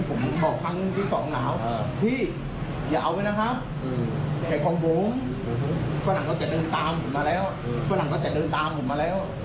ฝนังต้องจะเดินตามผมมาแล้วฝนังต้องจะเดินตามผมมาแล้ว